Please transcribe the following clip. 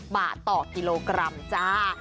บาทต่อกิโลกรัมจ้า